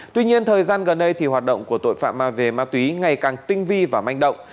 tuy nhiên thời gian gần đây hoạt động của tội phạm ma về ma túy ngày càng tinh vi và manh động